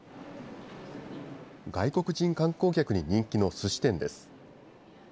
外国人観光客に人気のすし店です。